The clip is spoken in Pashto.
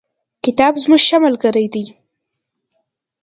کتاب زموږ ښه ملگری دی.